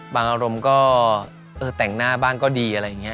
อารมณ์ก็แต่งหน้าบ้างก็ดีอะไรอย่างนี้